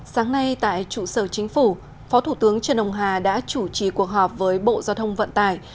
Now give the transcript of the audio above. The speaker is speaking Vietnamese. sáng nay tại trụ sở chính phủ phó thủ tướng trần ông hà đã chủ trì cuộc họp với bộ giao thông vận tải